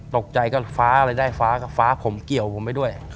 ตกใจก็ฟ้าอะไรได้ฟ้าก็ฟ้าผมเกี่ยวผมไปด้วย